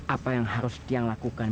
apa yang harus dia lakukan